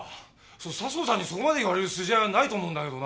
佐相さんにそこまで言われる筋合いはないと思うんだけどな！